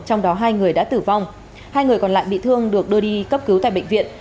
trong đó hai người đã tử vong hai người còn lại bị thương được đưa đi cấp cứu tại bệnh viện